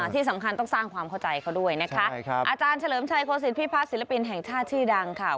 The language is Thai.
ที่สำคัญต้องสร้างความเข้าใจเขาด้วยนะคะอาจารย์เฉลิมชัยโศิษฐพิพัฒนศิลปินแห่งชาติชื่อดังค่ะ